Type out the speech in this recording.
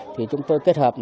thì chúng tôi kết hợp